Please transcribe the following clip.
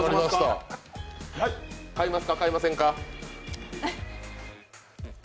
買いますか、買いませんか？